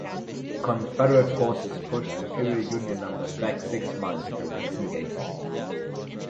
Confederate forces pushed superior Union numbers back six miles during this engagement.